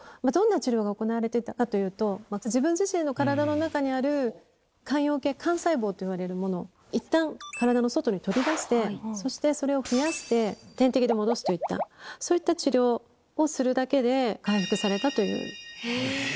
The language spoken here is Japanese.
どんな治療が行われていたかというと、自分自身の体の中にある間葉系幹細胞といわれるものをいったん、体の外に取り出して、そしてそれを増やして、点滴で戻すといった、そういった治療をするだけで、回復されたという。